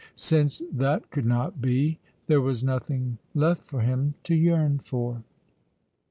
Since that could not be, there was nothing left for him to yearn for.